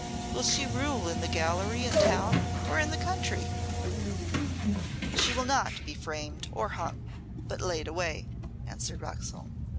Will she rule in the gallery in town or in the country?" "She will not be framed or hung, but laid away," answered Roxholm.